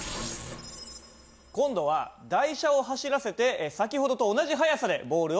今度は台車を走らせて先ほどと同じ速さでボールを投げてもらいます。